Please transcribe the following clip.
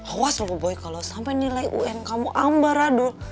awas sama boy kalau sampai nilai un kamu ambaradul